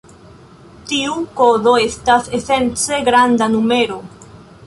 Tiu kodo estas esence granda numero.